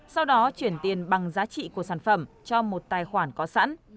sau đó chuyển tiền bằng giá trị của sản phẩm cho một tài khoản có sẵn